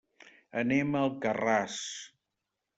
Anem a Alcarràs.